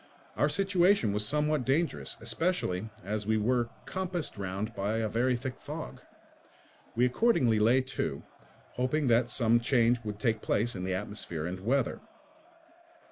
Our situation was somewhat dangerous, especially as we were compassed round by a very thick fog. We accordingly lay to, hoping that some change would take place in the atmosphere and weather.